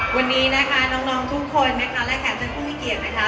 วันนี้น้องทุกคนและแขกเจ้าผู้มีเกียจ